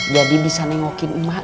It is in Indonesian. jadi bisa nengokin mak